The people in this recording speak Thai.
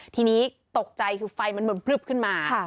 ทีนี้ตกใจคือไฟมันเหมือนพลึบขึ้นมา